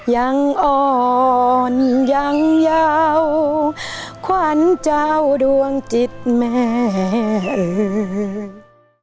ยังอ่อนยังเยาขวัญเจ้าดวงจิตแม่เอ่ย